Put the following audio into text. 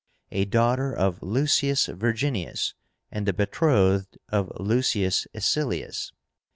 a daughter of Lucius Virginius, and the betrothed of Lucius Icilius.